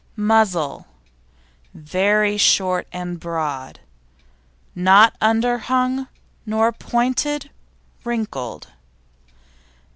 MUZZLE Very short and broad; not underhung nor pointed; wrinkled.